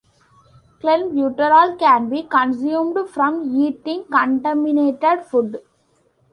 Clenbuterol can be consumed from eating contaminated food.